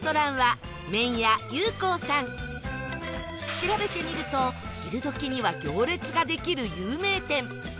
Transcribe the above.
調べてみると昼どきには行列ができる有名店